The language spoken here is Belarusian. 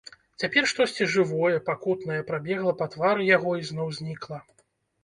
Цяпер штосьці жывое, пакутнае прабегла па твары яго і зноў знікла.